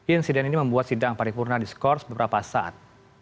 insiden ini membuat sidang paripurna diskors beberapa saat